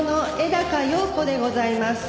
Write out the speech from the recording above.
高陽子でございます。